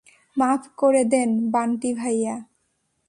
মাফ করে দেন, বান্টি-ভাইয়া।